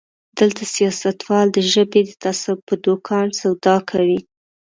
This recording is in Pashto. دلته سياستوال د ژبې د تعصب په دوکان سودا کوي.